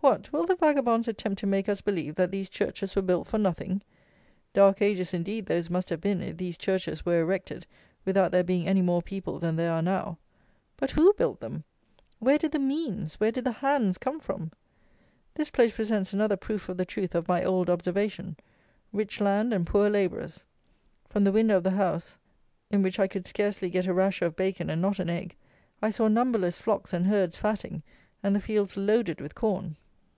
What! will the vagabonds attempt to make us believe that these churches were built for nothing! "Dark ages" indeed those must have been, if these churches were erected without there being any more people than there are now. But who built them? Where did the means, where did the hands come from? This place presents another proof of the truth of my old observation: rich land and poor labourers. From the window of the house, in which I could scarcely get a rasher of bacon, and not an egg, I saw numberless flocks and herds fatting, and the fields loaded with corn!